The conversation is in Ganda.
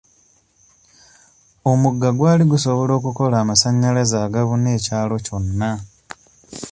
Omugga gwali gusobola okukola amasanyalaze agabuna ekyalo kyonna.